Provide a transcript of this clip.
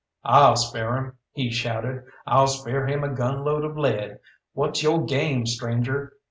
"I'll spare him!" he shouted. "I'll spare him a gunload of lead! What's yo' game, stranger?